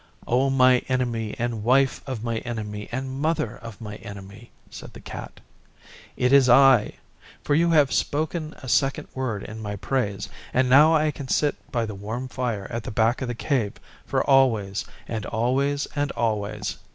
'O my Enemy and Wife of my Enemy and Mother of My Enemy,' said the Cat, 'it is I, for you have spoken a second word in my praise, and now I can sit by the warm fire at the back of the Cave for always and always and always.